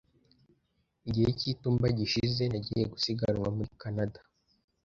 Igihe cy'itumba gishize, nagiye gusiganwa muri Canada.